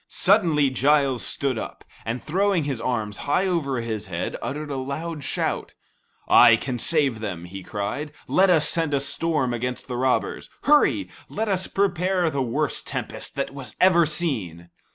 Suddenly Giles stood up, and throwing his arms high over his head, uttered a loud shout. "I can save them," he cried. "Let us send a storm against the robbers. Hurry, let us prepare the worst tempest that ever was seen."